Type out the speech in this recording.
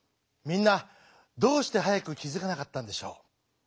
みんなどうしてはやくきづかなかったんでしょう。